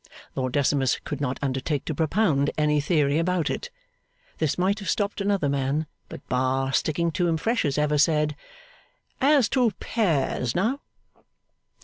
Lord Decimus could not undertake to propound any theory about it. This might have stopped another man; but Bar, sticking to him fresh as ever, said, 'As to pears, now?